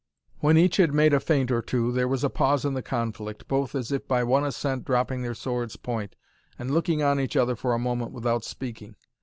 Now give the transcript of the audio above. When each had made a feint or two, there was a pause in the conflict, both as if by one assent dropping their swords' point, and looking on each other for a moment without speaking.